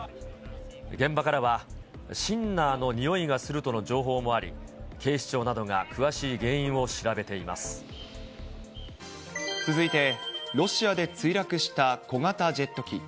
現場からは、シンナーの臭いがするとの情報もあり、警視庁などが詳しい原因を続いて、ロシアで墜落した小型ジェット機。